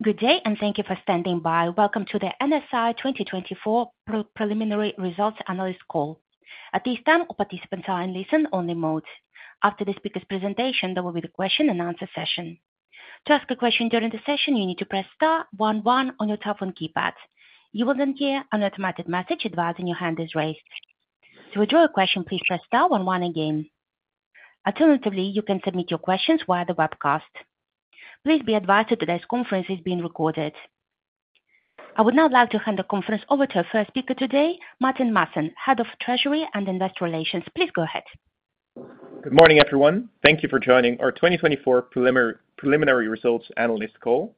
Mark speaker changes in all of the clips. Speaker 1: Good day, and thank you for standing by. Welcome to the NSI 2024 Preliminary Results Analyst Call. At this time, all participants are in listen-only mode. After the speaker's presentation, there will be a question-and-answer session. To ask a question during the session, you need to press star one one on your telephone keypad. You will then hear an automated message advising your hand is raised. To withdraw a question, please press star one one again. Alternatively, you can submit your questions via the webcast. Please be advised that today's conference is being recorded. I would now like to hand the conference over to our first speaker today, Martijn Maassen, Head of Treasury and Investor Relations. Please go ahead.
Speaker 2: Good morning, everyone. Thank you for joining our 2024 Preliminary Results Analyst Call.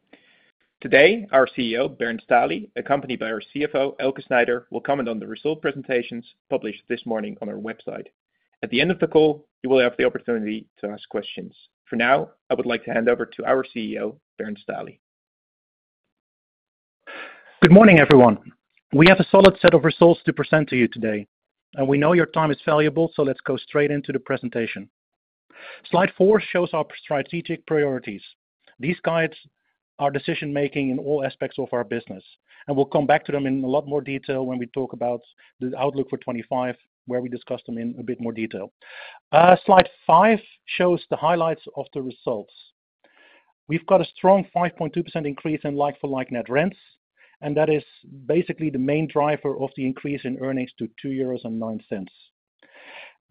Speaker 2: Today, our CEO, Bernd Stahli, accompanied by our CFO, Elske Doets, will comment on the result presentations published this morning on our website. At the end of the call, you will have the opportunity to ask questions. For now, I would like to hand over to our CEO, Bernd Stahli.
Speaker 3: Good morning, everyone. We have a solid set of results to present to you today, and we know your time is valuable, so let's go straight into the presentation. Slide 4 shows our strategic priorities. These guides are decision-making in all aspects of our business, and we'll come back to them in a lot more detail when we talk about the outlook for 2025, where we discuss them in a bit more detail. Slide 5 shows the highlights of the results. We've got a strong 5.2% increase in like-for-like net rents, and that is basically the main driver of the increase in earnings to 2.09 euros.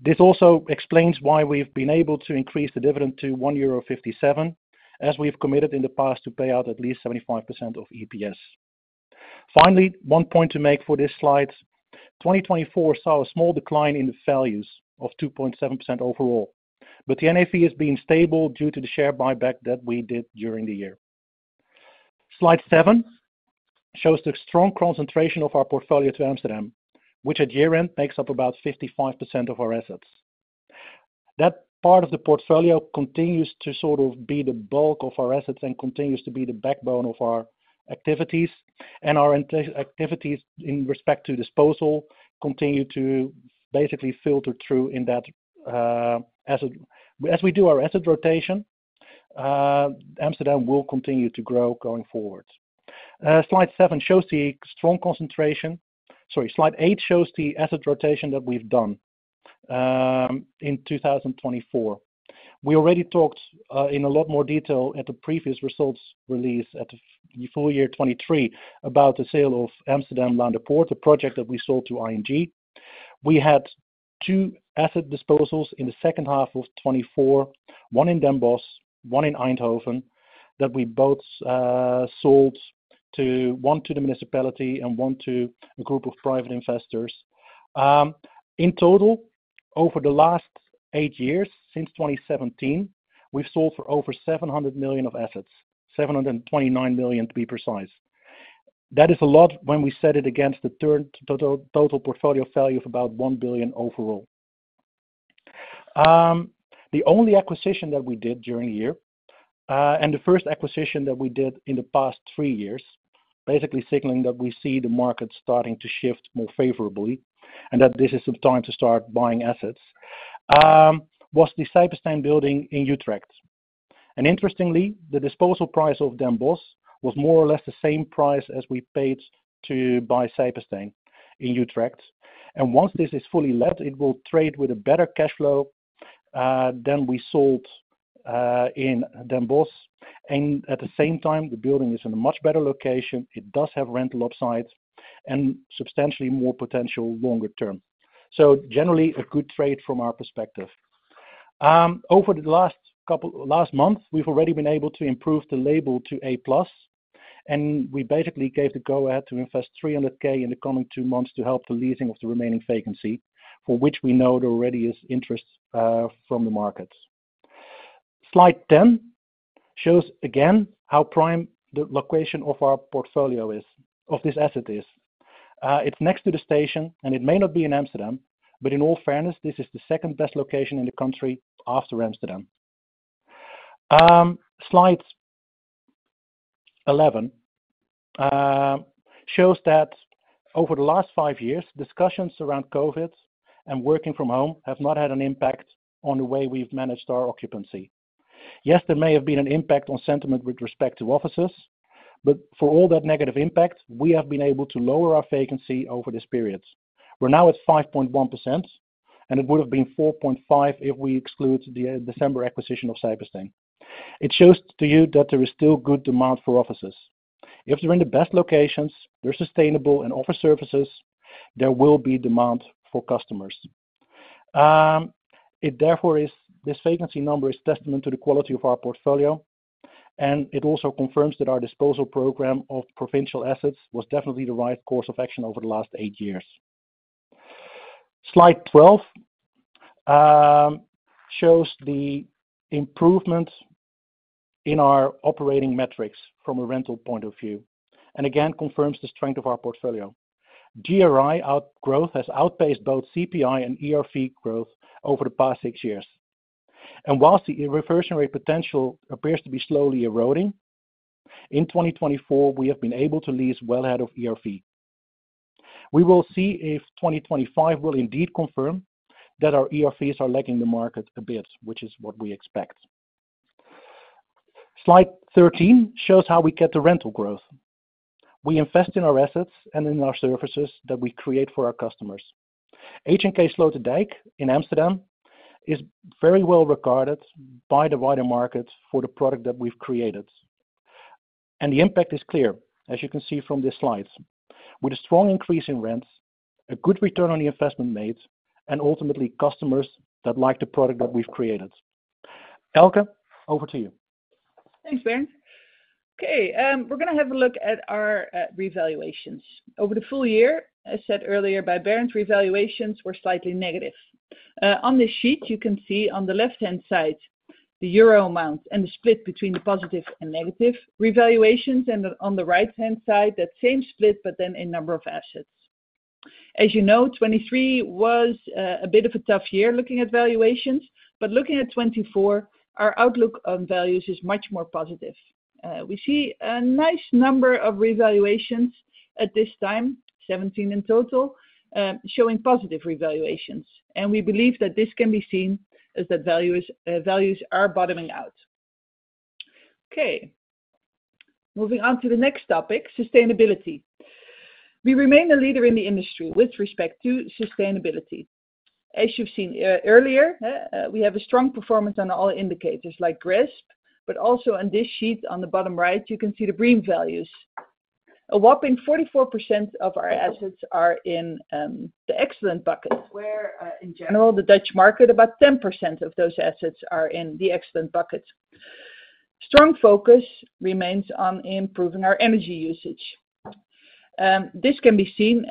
Speaker 3: This also explains why we've been able to increase the dividend to 1.57 euro, as we've committed in the past to pay out at least 75% of EPS. Finally, one point to make for this slide: 2024 saw a small decline in the values of 2.7% overall, but the NAV has been stable due to the share buyback that we did during the year. Slide 7 shows the strong concentration of our portfolio to Amsterdam, which at year-end makes up about 55% of our assets. That part of the portfolio continues to sort of be the bulk of our assets and continues to be the backbone of our activities, and our activities in respect to disposal continue to basically filter through in that as we do our asset rotation. Amsterdam will continue to grow going forward. Slide 7 shows the strong concentration. Sorry, slide 8 shows the asset rotation that we've done in 2024. We already talked in a lot more detail at the previous results release at the full year 2023 about the sale of Amsterdam Laanderpoort, the project that we sold to ING. We had two asset disposals in the second half of 2024, one in Den Bosch, one in Eindhoven, that we sold one to the municipality and one to a group of private investors. In total, over the last eight years, since 2017, we've sold for over 700 million of assets, 729 million to be precise. That is a lot when we set it against the total portfolio value of about 1 billion overall. The only acquisition that we did during the year and the first acquisition that we did in the past three years, basically signaling that we see the market starting to shift more favorably and that this is the time to start buying assets, was the Sijpesteijn building in Utrecht, and interestingly, the disposal price of Den Bosch was more or less the same price as we paid to buy Sijpesteijnin Utrecht, and once this is fully let, it will trade with a better cash flow than we sold in Den Bosch, and at the same time, the building is in a much better location. It does have rental upside and substantially more potential longer term, so generally, a good trade from our perspective. Over the last couple of months, we've already been able to improve the label to A-plus, and we basically gave the go-ahead to invest 300,000 in the coming two months to help the leasing of the remaining vacancy, for which we know there already is interest from the market. Slide 10 shows again how prime the location of our portfolio is, of this asset is. It's next to the station, and it may not be in Amsterdam, but in all fairness, this is the second best location in the country after Amsterdam. Slide 11 shows that over the last five years, discussions around COVID and working from home have not had an impact on the way we've managed our occupancy. Yes, there may have been an impact on sentiment with respect to offices, but for all that negative impact, we have been able to lower our vacancy over this period. We're now at 5.1%, and it would have been 4.5% if we exclude the December acquisition of Sijpesteijn. It shows to you that there is still good demand for offices. If they're in the best locations, they're sustainable and offer services, there will be demand for customers. Therefore, this vacancy number is a testament to the quality of our portfolio, and it also confirms that our disposal program of provincial assets was definitely the right course of action over the last eight years. Slide 12 shows the improvement in our operating metrics from a rental point of view and again confirms the strength of our portfolio. GRI growth has outpaced both CPI and ERV growth over the past six years, and while the reversion rate potential appears to be slowly eroding, in 2024, we have been able to lease well ahead of ERV. We will see if 2025 will indeed confirm that our ERVs are lagging the market a bit, which is what we expect. Slide 13 shows how we get the rental growth. We invest in our assets and in our services that we create for our customers. HNK Sloterdijk in Amsterdam is very well regarded by the wider market for the product that we've created, and the impact is clear, as you can see from this slide, with a strong increase in rents, a good return on the investment made, and ultimately customers that like the product that we've created. Elske, over to you.
Speaker 4: Thanks, Bernd. Okay, we're going to have a look at our revaluations. Over the full year, as said earlier by Bernd, revaluations were slightly negative. On this sheet, you can see on the left-hand side the euro amount and the split between the positive and negative revaluations, and on the right-hand side, that same split, but then in number of assets. As you know, 2023 was a bit of a tough year looking at valuations, but looking at 2024, our outlook on values is much more positive. We see a nice number of revaluations at this time, 17 in total, showing positive revaluations. And we believe that this can be seen as that values are bottoming out. Okay, moving on to the next topic, sustainability. We remain a leader in the industry with respect to sustainability. As you've seen earlier, we have a strong performance on all indicators like GRESB, but also on this sheet on the bottom right, you can see the BREEAM values. A whopping 44% of our assets are in the excellent bucket, where in general, the Dutch market, about 10% of those assets are in the excellent bucket. Strong focus remains on improving our energy usage. This can be seen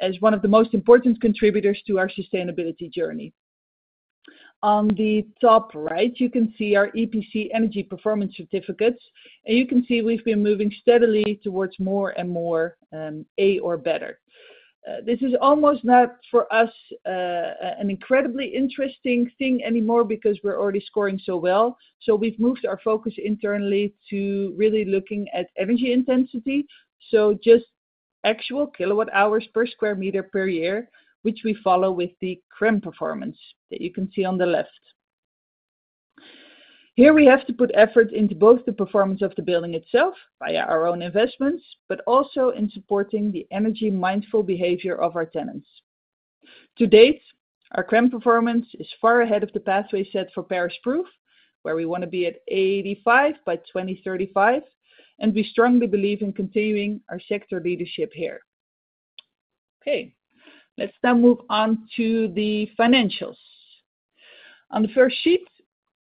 Speaker 4: as one of the most important contributors to our sustainability journey. On the top right, you can see our EPC energy performance certificates, and you can see we've been moving steadily towards more and more A or better. This is almost not for us an incredibly interesting thing anymore because we're already scoring so well. So we've moved our focus internally to really looking at energy intensity, so just actual kilowatt hours per square meter per year, which we follow with the CRREM performance that you can see on the left. Here we have to put effort into both the performance of the building itself via our own investments, but also in supporting the energy-mindful behavior of our tenants. To date, our CRREM performance is far ahead of the pathway set for Paris Proof, where we want to be at 85 by 2035, and we strongly believe in continuing our sector leadership here. Okay, let's now move on to the financials. On the first sheet,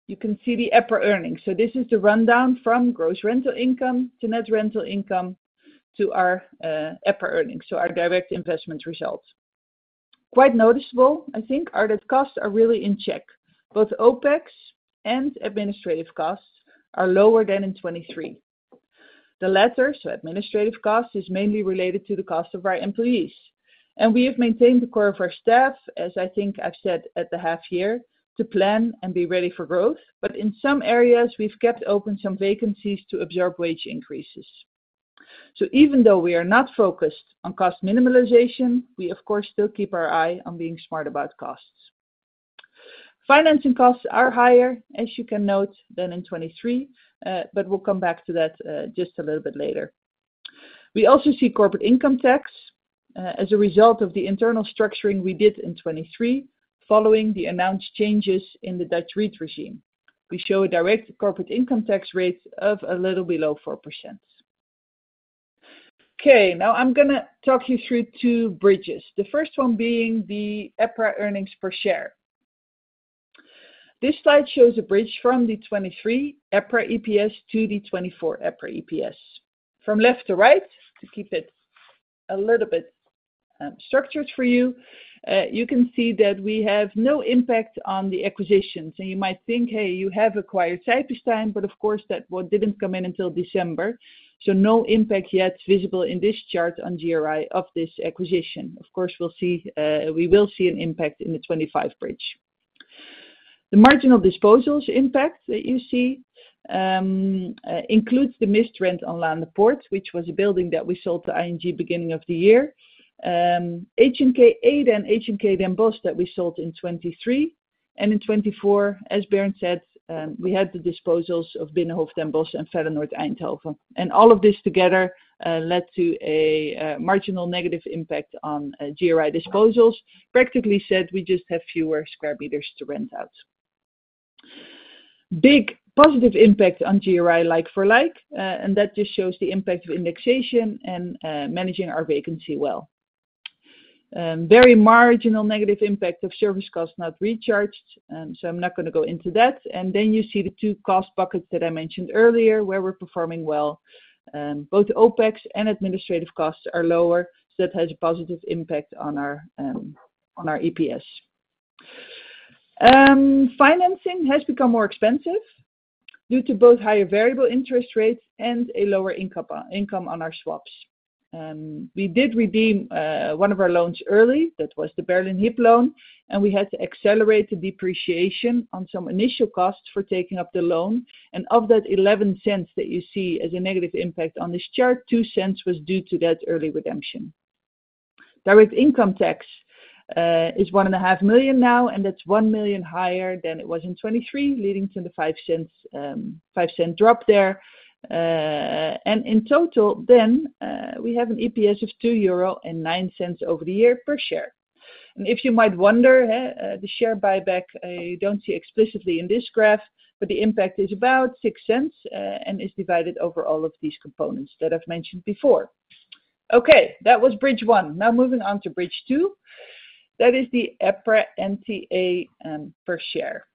Speaker 4: you can see the EPRA earnings. So this is the rundown from gross rental income to net rental income to our EPRA earnings, so our direct investment results. Quite noticeable, I think, are that costs are really in check. Both OPEX and administrative costs are lower than in 2023. The latter, so administrative costs, is mainly related to the cost of our employees. And we have maintained the core of our staff, as I think I've said at the half year, to plan and be ready for growth, but in some areas, we've kept open some vacancies to absorb wage increases. So even though we are not focused on cost minimization, we, of course, still keep our eye on being smart about costs. Financing costs are higher, as you can note, than in 2023, but we'll come back to that just a little bit later. We also see corporate income tax as a result of the internal structuring we did in 2023 following the announced changes in the Dutch REIT regime. We show a direct corporate income tax rate of a little below 4%. Okay, now I'm going to talk you through two bridges, the first one being the EPRA earnings per share. This slide shows a bridge from the 2023 EPRA EPS to the 2024 EPRA. From left to right, to keep it a little bit structured for you, you can see that we have no impact on the acquisitions. And you might think, "Hey, you have acquired Sijpesteijn," but of course, that one didn't come in until December. So no impact yet visible in this chart on GRI of this acquisition. Of course, we'll see an impact in the 2025 bridge. The marginal disposals impact that you see includes the missed rent on Laanderpoort, which was a building that we sold to ING beginning of the year. HNK Ede and HNK Den Bosch that we sold in 2023. In 2024, as Bernd said, we had the disposals of Binnenhof Den Bosch and Fellenoord Eindhoven. All of this together led to a marginal negative impact on GRI disposals. Practically said, we just have fewer square meters to rent out. Big positive impact on GRI like-for-like, and that just shows the impact of indexation and managing our vacancy well. Very marginal negative impact of service costs not recharged, so I'm not going to go into that. Then you see the two cost buckets that I mentioned earlier where we're performing well. Both OPEX and administrative costs are lower, so that has a positive impact on our EPS. Financing has become more expensive due to both higher variable interest rates and a lower income on our swaps. We did redeem one of our loans early. That was the Berlin Hyp loan, and we had to accelerate the depreciation on some initial costs for taking up the loan. Of that 0.11 that you see as a negative impact on this chart, 0.02 was due to that early redemption. Direct income tax is 1.5 million now, and that's million higher than it was in 2023, leading to the 0.05 drop there. In total, then we have an EPS of 2.09 euro over the year per share. If you might wonder, the share buyback, you don't see explicitly in this graph, but the impact is about 0.06 and is divided over all of these components that I've mentioned before. Okay, that was bridge one. Now moving on to bridge two. That is the EPRA NTA per share.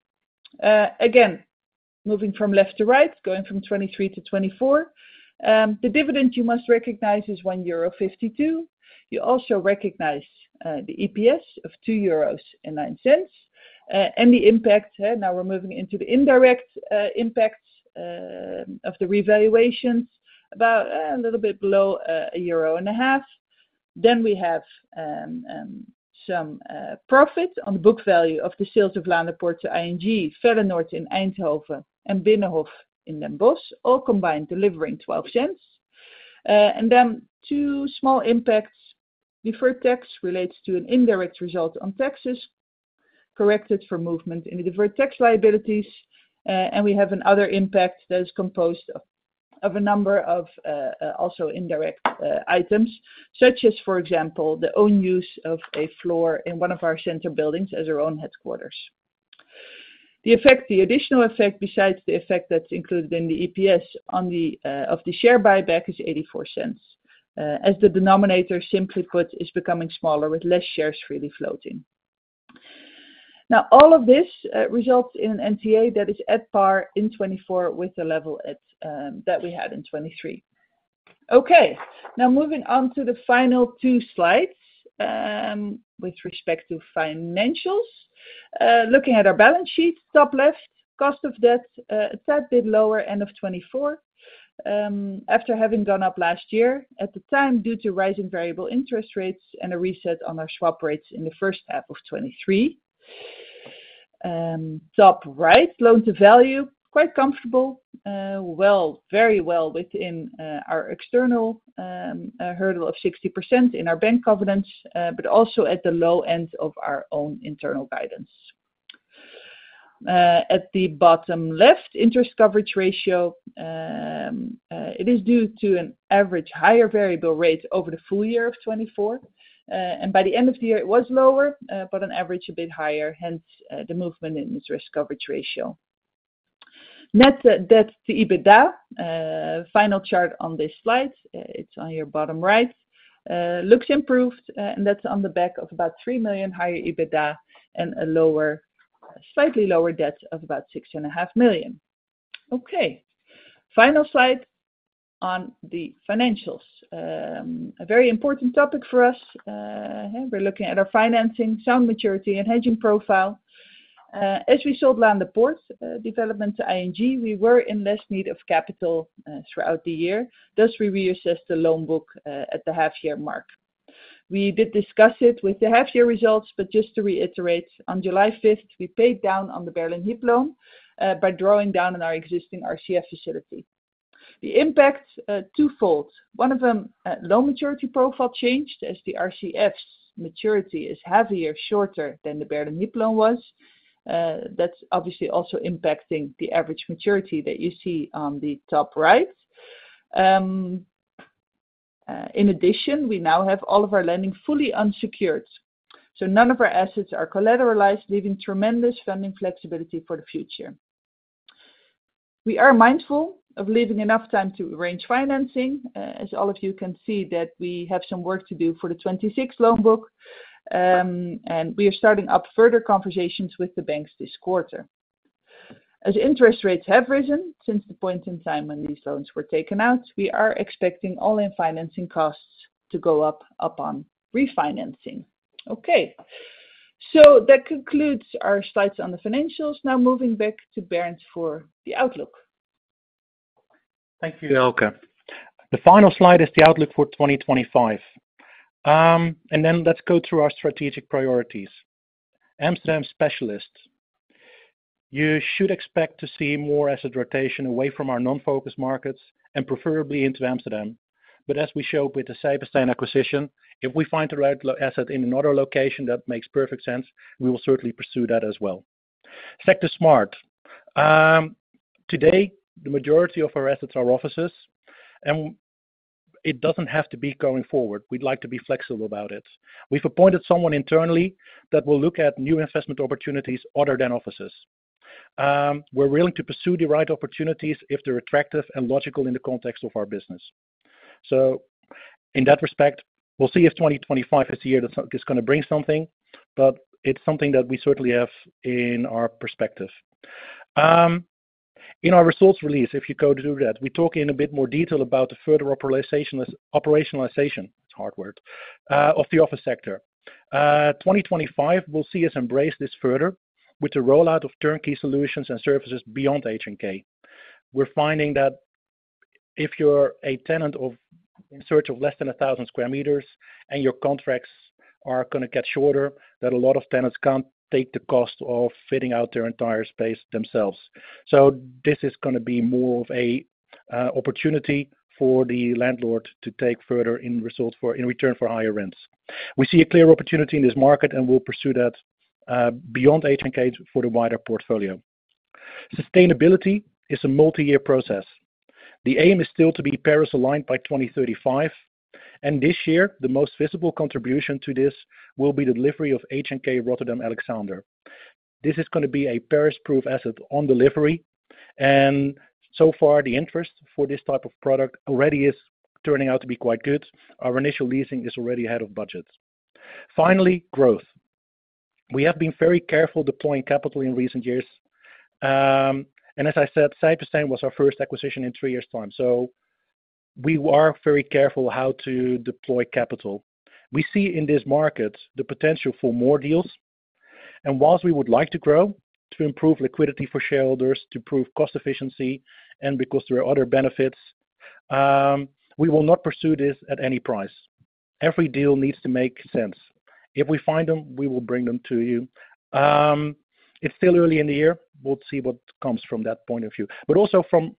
Speaker 4: Again, moving from left to right, going from 2023 to 2024, the dividend you must recognize is 1.52 euro. You also recognize the EPS of 2.09 euros and the impact. Now we're moving into the indirect impacts of the revaluations, about a little bit below a year and a half. Then we have some profit on the book value of the sales of Laanderpoort to ING, Fellenord in Eindhoven, and Binnenhof in Den Bosch, all combined delivering 0.12. And then two small impacts. Deferred tax relates to an indirect result on taxes corrected for movement in the deferred tax liabilities. And we have another impact that is composed of a number of also indirect items, such as, for example, the own use of a floor in one of our center buildings as our own headquarters. The effect, the additional effect besides the effect that's included in the EPS on the share buyback is 0.84, as the denominator, simply put, is becoming smaller with less shares freely floating. Now, all of this results in an NTA that is at par in 2024 with the level that we had in 2023. Okay, now moving on to the final two slides with respect to financials. Looking at our balance sheet, top left, cost of debt a tad bit lower end of 2024 after having gone up last year at the time due to rising variable interest rates and a reset on our swap rates in the first half of 2023. Top right, loan-to-value, quite comfortable, well, very well within our external hurdle of 60% in our bank covenants, but also at the low end of our own internal guidance. At the bottom left, interest coverage ratio. It is due to an average higher variable rate over the full year of 2024, and by the end of the year, it was lower, but on average a bit higher, hence the movement in interest coverage ratio. Net debt to EBITDA, final chart on this slide, it's on your bottom right, looks improved, and that's on the back of about three million higher EBITDA and a lower, slightly lower debt of about 6.5 million. Okay, final slide on the financials. A very important topic for us. We're looking at our financing, sound maturity, and hedging profile. As we sold Laanderpoort development to ING, we were in less need of capital throughout the year. Thus, we reassessed the loan book at the half-year mark. We did discuss it with the half-year results, but just to reiterate, on July 5th, we paid down on the Berlin Hyp loan by drawing down on our existing RCF facility. The impact is twofold. One of them, the loan maturity profile changed as the RCF's maturity is earlier, shorter than the Berlin Hyp loan was. That's obviously also impacting the average maturity that you see on the top right. In addition, we now have all of our lending fully unsecured, so none of our assets are collateralized, leaving tremendous funding flexibility for the future. We are mindful of leaving enough time to arrange financing, as all of you can see that we have some work to do for the 2026 loan book, and we are starting up further conversations with the banks this quarter. As interest rates have risen since the point in time when these loans were taken out, we are expecting all in financing costs to go up upon refinancing. Okay, so that concludes our slides on the financials. Now moving back to Bernd for the outlook.
Speaker 3: Thank you, Elske. The final slide is the outlook for 2025. And then let's go through our strategic priorities. Amsterdam specialists. You should expect to see more asset rotation away from our non-focus markets and preferably into Amsterdam. But as we show with the Sijpesteijnacquisition, if we find the right asset in another location, that makes perfect sense. We will certainly pursue that as well. Sector smart. Today, the majority of our assets are offices, and it doesn't have to be going forward. We'd like to be flexible about it. We've appointed someone internally that will look at new investment opportunities other than offices. We're willing to pursue the right opportunities if they're attractive and logical in the context of our business. So in that respect, we'll see if 2025 is a year that's going to bring something, but it's something that we certainly have in our perspective. In our results release, if you go to that, we talk in a bit more detail about the further operationalization, it's hard word, of the office sector. 2025, we'll see us embrace this further with the rollout of turnkey solutions and services beyond HNK. We're finding that if you're a tenant in search of less than 1,000 sq m and your contracts are going to get shorter, that a lot of tenants can't take the cost of fitting out their entire space themselves. So this is going to be more of an opportunity for the landlord to take further in return for higher rents. We see a clear opportunity in this market, and we'll pursue that beyond HNK for the wider portfolio. Sustainability is a multi-year process. The aim is still to be Paris-aligned by 2035. This year, the most visible contribution to this will be the delivery of HNK Rotterdam Alexander. This is going to be a Paris Proof asset on delivery. So far, the interest for this type of product already is turning out to be quite good. Our initial leasing is already ahead of budget. Finally, growth. We have been very careful deploying capital in recent years. As I said, Sijpesteijn was our first acquisition in three years' time. So we are very careful how to deploy capital. We see in this market the potential for more deals. While we would like to grow to improve liquidity for shareholders, to improve cost efficiency, and because there are other benefits, we will not pursue this at any price. Every deal needs to make sense. If we find them, we will bring them to you. It's still early in the year. We'll see what comes from that point of view. But also from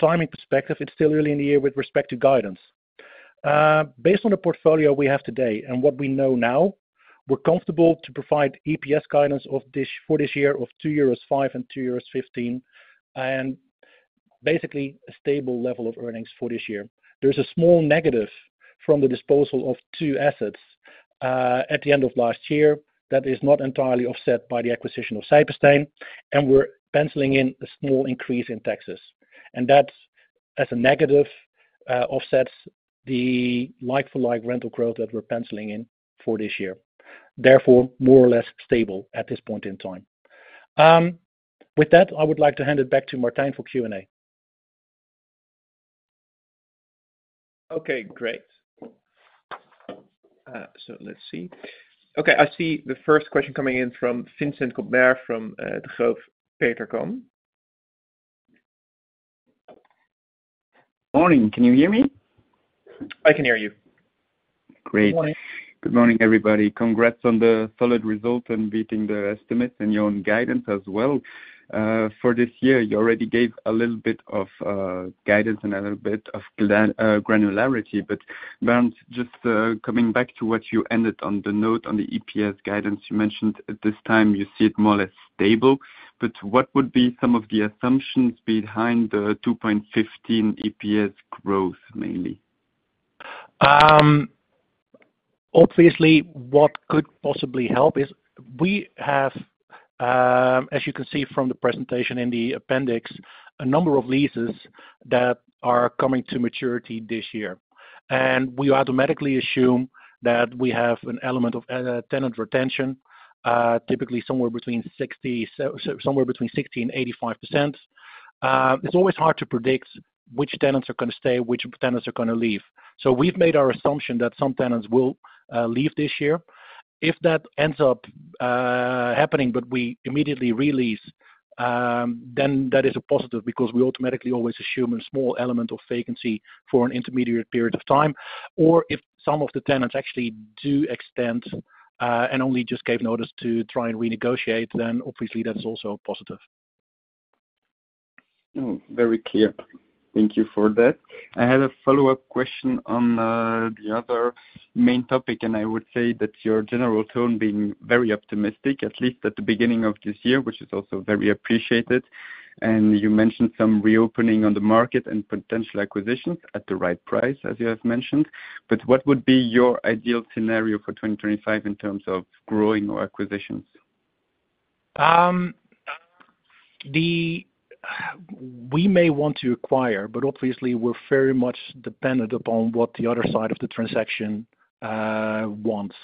Speaker 3: timing perspective, it's still early in the year with respect to guidance. Based on the portfolio we have today and what we know now, we're comfortable to provide EPS guidance for this year of 2.05 euros and 2.15 euros and basically a stable level of earnings for this year. There's a small negative from the disposal of two assets at the end of last year that is not entirely offset by the acquisition of Sijpesteijn, and we're penciling in a small increase in taxes. And that, as a negative, offsets the like-for-like rental growth that we're penciling in for this year. Therefore, more or less stable at this point in time. With that, I would like to hand it back to Martijn for Q&A.
Speaker 2: Okay, great. So let's see. Okay, I see the first question coming in from Vincent Collen from Degroof Petercam.
Speaker 5: Morning. Can you hear me?
Speaker 3: I can hear you.
Speaker 5: Great. Good morning, everybody. Congrats on the solid result and beating the estimates and your own guidance as well. For this year, you already gave a little bit of guidance and a little bit of granularity. But Bernd, just coming back to what you ended on, the note on the EPS guidance you mentioned, at this time, you see it more or less stable. But what would be some of the assumptions behind the 2.15 EPS growth mainly?
Speaker 3: Obviously, what could possibly help is we have, as you can see from the presentation in the appendix, a number of leases that are coming to maturity this year. And we automatically assume that we have an element of tenant retention, typically somewhere between 60% and 85%. It's always hard to predict which tenants are going to stay, which tenants are going to leave. So we've made our assumption that some tenants will leave this year. If that ends up happening, but we immediately release, then that is a positive because we automatically always assume a small element of vacancy for an intermediate period of time. Or if some of the tenants actually do extend and only just gave notice to try and renegotiate, then obviously that's also positive.
Speaker 5: Very clear. Thank you for that. I had a follow-up question on the other main topic, and I would say that your general tone being very optimistic, at least at the beginning of this year, which is also very appreciated, and you mentioned some reopening on the market and potential acquisitions at the right price, as you have mentioned, but what would be your ideal scenario for 2025 in terms of growing or acquisitions?
Speaker 3: We may want to acquire, but obviously we're very much dependent upon what the other side of the transaction wants.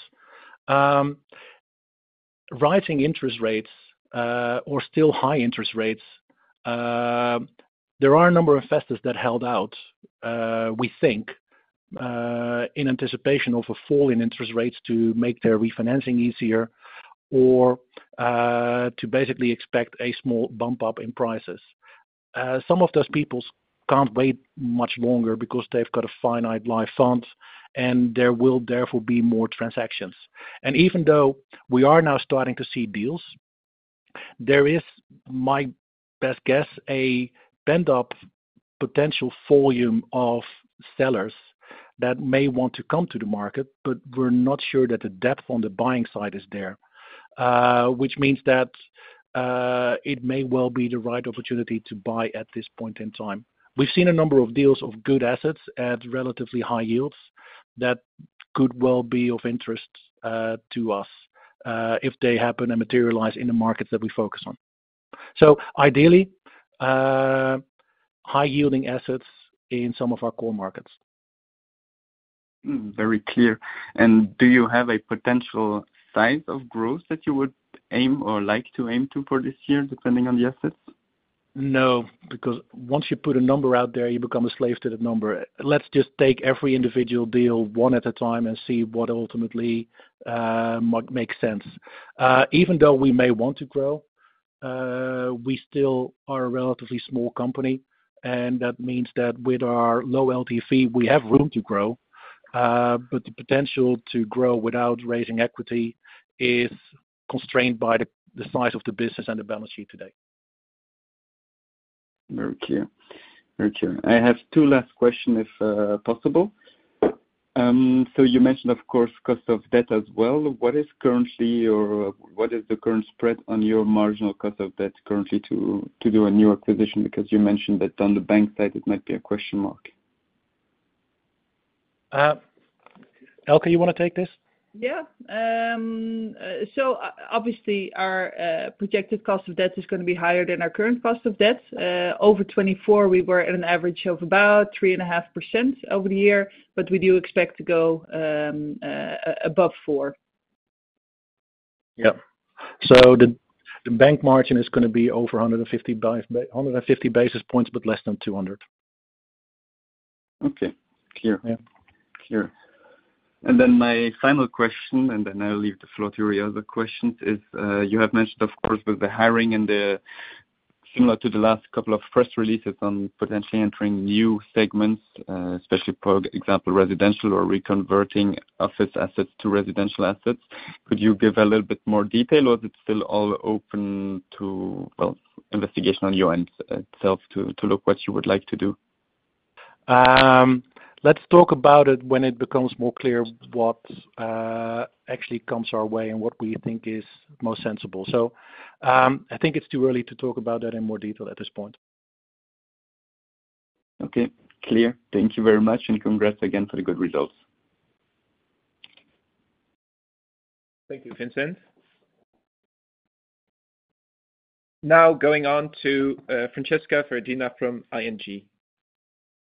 Speaker 3: Rising interest rates or still high interest rates, there are a number of investors that held out, we think, in anticipation of a fall in interest rates to make their refinancing easier or to basically expect a small bump up in prices. Some of those people can't wait much longer because they've got a finite life fund, and there will therefore be more transactions, and even though we are now starting to see deals, there is, my best guess, a pent-up potential volume of sellers that may want to come to the market, but we're not sure that the depth on the buying side is there, which means that it may well be the right opportunity to buy at this point in time. We've seen a number of deals of good assets at relatively high yields that could well be of interest to us if they happen and materialize in the markets that we focus on. So ideally, high-yielding assets in some of our core markets.
Speaker 5: Very clear. And do you have a potential size of growth that you would aim or like to aim to for this year, depending on the assets?
Speaker 3: No, because once you put a number out there, you become a slave to the number. Let's just take every individual deal one at a time and see what ultimately makes sense. Even though we may want to grow, we still are a relatively small company, and that means that with our low LTV, we have room to grow. But the potential to grow without raising equity is constrained by the size of the business and the balance sheet today.
Speaker 5: Very clear. Very clear. I have two last questions, if possible. So you mentioned, of course, cost of debt as well. What is currently or what is the current spread on your marginal cost of debt currently to do a new acquisition? Because you mentioned that on the bank side, it might be a question mark.
Speaker 3: Elske, you want to take this?
Speaker 4: Yeah, so obviously, our projected cost of debt is going to be higher than our current cost of debt. Over 2024, we were at an average of about 3.5% over the year, but we do expect to go above 4.
Speaker 5: Yeah.
Speaker 3: So the bank margin is going to be over 150 basis points, but less than 200.
Speaker 5: Okay. Clear. Clear. And then my final question, and then I'll leave the floor to your other questions, is you have mentioned, of course, with the hiring and similar to the last couple of press releases on potentially entering new segments, especially for example, residential or reconverting office assets to residential assets. Could you give a little bit more detail, or is it still all open to, well, investigation on your end itself to look what you would like to do?
Speaker 3: Let's talk about it when it becomes more clear what actually comes our way and what we think is most sensible. So I think it's too early to talk about that in more detail at this point.
Speaker 5: Okay. Clear. Thank you very much, and congrats again for the good results.
Speaker 3: Thank you, Vincent. Now going on to Francesca Friz-Prguda from ING.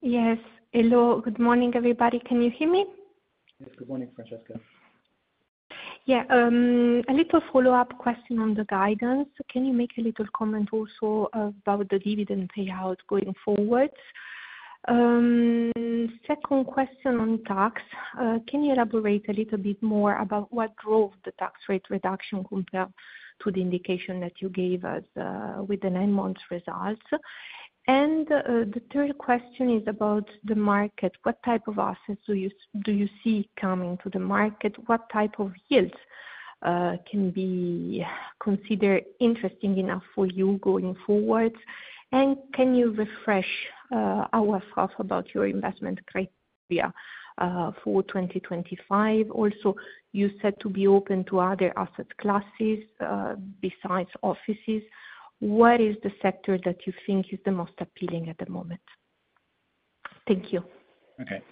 Speaker 6: Yes. Hello. Good morning, everybody. Can you hear me?
Speaker 3: Yes. Good morning, Francesca.
Speaker 6: Yeah. A little follow-up question on the guidance. Can you make a little comment also about the dividend payout going forward? Second question on tax. Can you elaborate a little bit more about what drove the tax rate reduction compared to the indication that you gave us with the nine-month results? And the third question is about the market. What type of assets do you see coming to the market? What type of yields can be considered interesting enough for you going forward? And can you refresh our thoughts about your investment criteria for 2025? Also, you said to be open to other asset classes besides offices. What is the sector that you think is the most appealing at the moment? Thank you.
Speaker 3: Okay.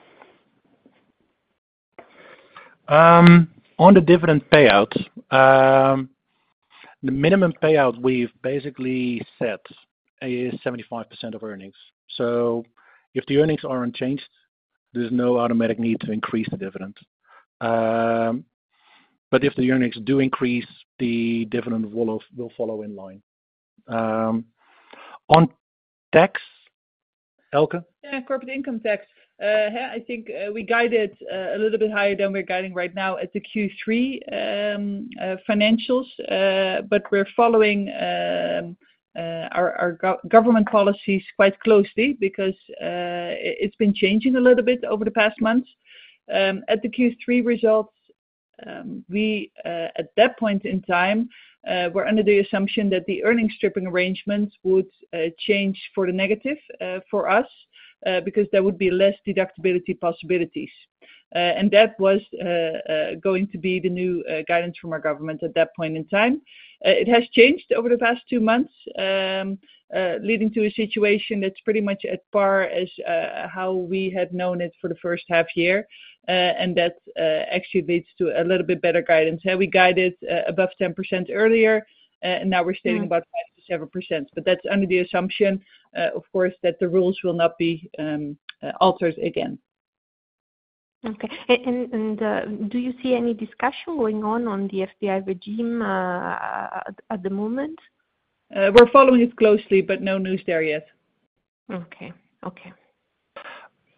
Speaker 3: On the dividend payout, the minimum payout we've basically set is 75% of earnings. So if the earnings are unchanged, there's no automatic need to increase the dividend. But if the earnings do increase, the dividend will follow in line. On tax, Elske?
Speaker 4: Yeah. Corporate Income Tax. I think we guided a little bit higher than we're guiding right now at the Q3 financials, but we're following our government policies quite closely because it's been changing a little bit over the past month. At the Q3 results, at that point in time, we're under the assumption that the Earnings Stripping arrangements would change for the negative for us because there would be less deductibility possibilities. And that was going to be the new guidance from our government at that point in time. It has changed over the past two months, leading to a situation that's pretty much at par as how we had known it for the first half year. And that actually leads to a little bit better guidance. We guided above 10% earlier, and now we're staying about 5%-7%. But that's under the assumption, of course, that the rules will not be altered again.
Speaker 6: Okay. And do you see any discussion going on the FBI regime at the moment?
Speaker 4: We're following it closely, but no news there yet.
Speaker 6: Okay. Okay.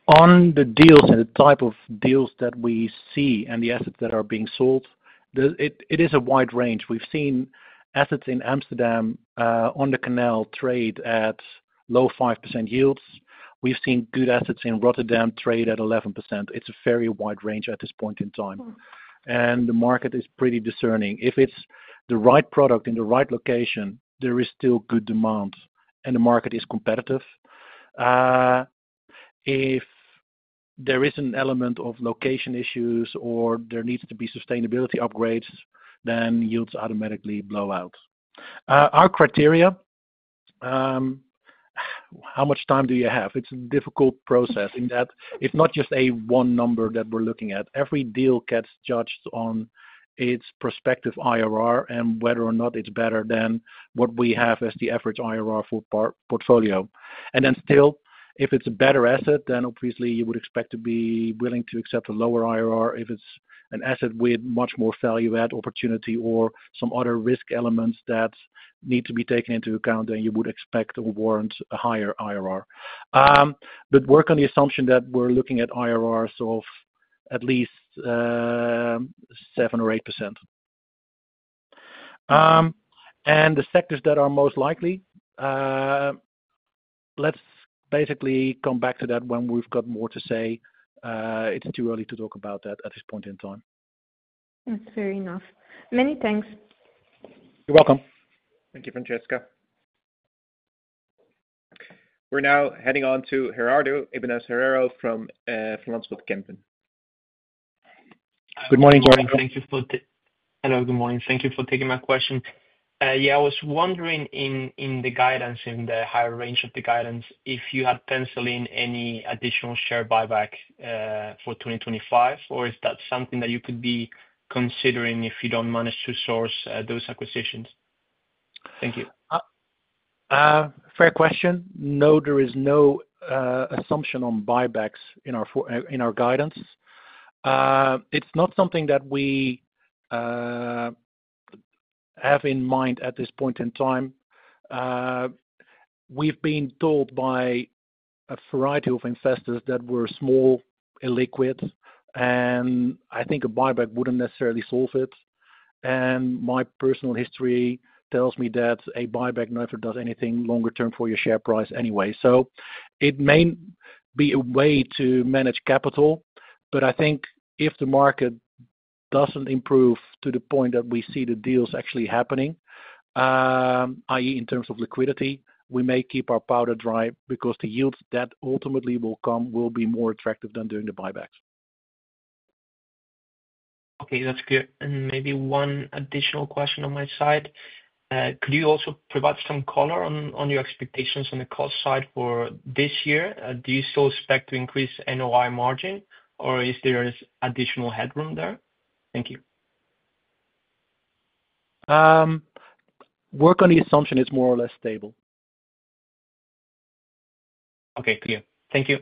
Speaker 3: On the deals and the type of deals that we see and the assets that are being sold, it is a wide range. We've seen assets in Amsterdam on the canal trade at low 5% yields. We've seen good assets in Rotterdam trade at 11%. It's a very wide range at this point in time. And the market is pretty discerning. If it's the right product in the right location, there is still good demand, and the market is competitive. If there is an element of location issues or there needs to be sustainability upgrades, then yields automatically blow out. Our criteria, how much time do you have? It's a difficult process in that it's not just a one number that we're looking at. Every deal gets judged on its prospective IRR and whether or not it's better than what we have as the average IRR for portfolio. And then still, if it's a better asset, then obviously you would expect to be willing to accept a lower IRR if it's an asset with much more value-add opportunity or some other risk elements that need to be taken into account, then you would expect or warrant a higher IRR. But work on the assumption that we're looking at IRRs of at least 7 or 8%. And the sectors that are most likely, let's basically come back to that when we've got more to say. It's too early to talk about that at this point in time.
Speaker 6: That's fair enough. Many thanks.
Speaker 2: Yo`u're welcome. Thank you, Francesca. We're now heading on to Gerardo Eberhard from Van Lanschot Kempen.
Speaker 3: Good morning, Gerardo.
Speaker 7: Hello. Good morning. Thank you for taking my question. Yeah. I was wondering in the guidance, in the higher range of the guidance, if you had penciled in any additional share buyback for 2025, or is that something that you could be considering if you don't manage to source those acquisitions? Thank you. Fair question.
Speaker 3: No, there is no assumption on buybacks in our guidance. It's not something that we have in mind at this point in time. We've been told by a variety of investors that we're small, illiquid, and I think a buyback wouldn't necessarily solve it. And my personal history tells me that a buyback never does anything longer-term for your share price anyway. So it may be a way to manage capital, but I think if the market doesn't improve to the point that we see the deals actually happening, i.e., in terms of liquidity, we may keep our powder dry because the yields that ultimately will come will be more attractive than doing the buybacks.
Speaker 7: Okay. That's clear. And maybe one additional question on my side. Could you also provide some color on your expectations on the cost side for this year? Do you still expect to increase NOI margin, or is there additional headroom there? Thank you.
Speaker 3: Work on the assumption it's more or less stable.
Speaker 7: Okay. Clear. Thank you.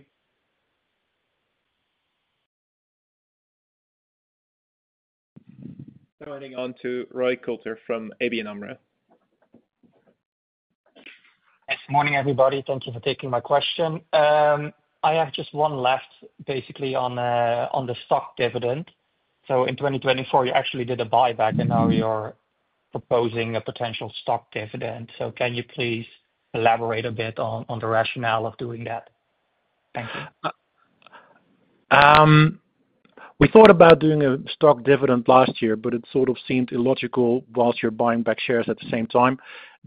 Speaker 3: Going on to Roy Coulter from ABN AMRO.
Speaker 8: Yes. Morning, everybody. Thank you for taking my question. I have just one left, basically, on the stock dividend. So in 2024, you actually did a buyback, and now you're proposing a potential stock dividend. So can you please elaborate a bit on the rationale of doing that? Thank you.
Speaker 3: We thought about doing a stock dividend last year, but it sort of seemed illogical whilst you're buying back shares at the same time.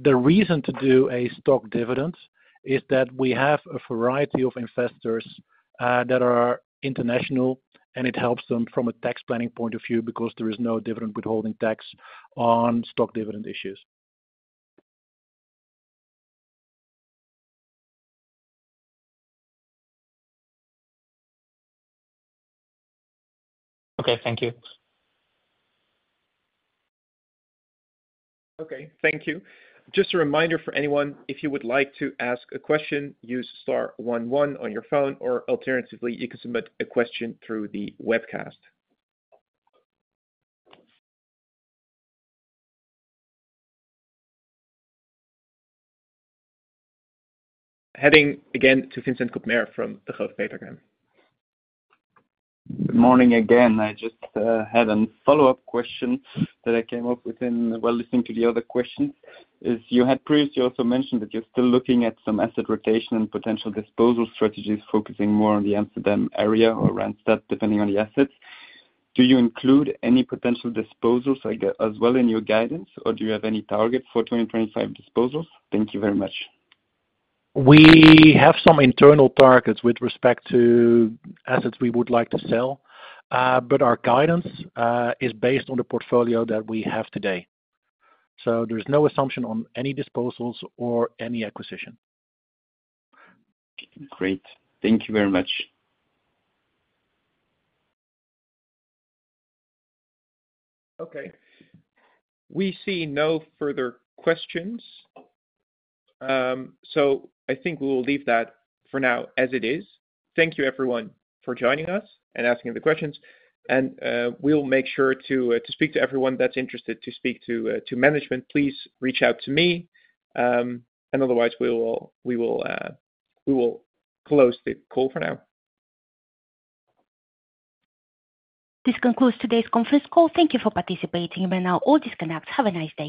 Speaker 3: The reason to do a stock dividend is that we have a variety of investors that are international, and it helps them from a tax planning point of view because there is no dividend withholding tax on stock dividend issues.
Speaker 8: Okay. Thank you.
Speaker 3: Okay. Thank you. Just a reminder for anyone, if you would like to ask a question, use star 11 on your phone, or alternatively, you can submit a question through the webcast. Heading again to Vincent Collen from Degroof Petercam.
Speaker 5: Good morning again. I just had a follow-up question that I came up with while listening to the other questions. As you had previously also mentioned that you're still looking at some asset rotation and potential disposal strategies focusing more on the Amsterdam area or Randstad, depending on the assets. Do you include any potential disposals as well in your guidance, or do you have any targets for 2025 disposals? Thank you very much.
Speaker 3: We have some internal targets with respect to assets we would like to sell, but our guidance is based on the portfolio that we have today. So there's no assumption on any disposals or any acquisition.
Speaker 5: Great. Thank you very much.
Speaker 3: Okay. We see no further questions. So I think we will leave that for now as it is. Thank you, everyone, for joining us and asking the questions. And we'll make sure to speak to everyone that's interested to speak to management. Please reach out to me. And otherwise, we will close the call for now.
Speaker 1: This concludes today's conference call. Thank you for participating. We'll now all disconnect. Have a nice day.